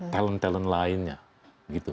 talent talent lainnya gitu